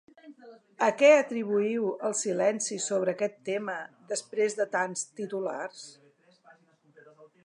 A què atribuïu el silenci sobre aquest tema després de tants titulars?